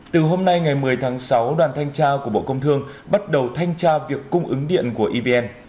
từ hôm nay ngày một mươi tháng sáu đoàn thanh tra của bộ công thương bắt đầu thanh tra việc cung ứng điện của evn